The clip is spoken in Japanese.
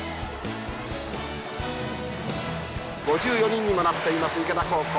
５４人にもなっています池田高校。